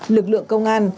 lực lượng công an